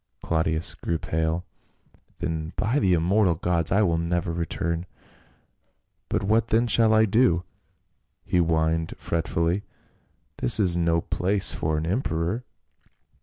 Claudius grew pale. "Then by the immortal gods I will never return ! But what then shall I do?" he whined fretfully, "this is no place for an emperor."